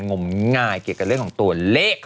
งมงายเกี่ยวกับเรื่องของตัวเลข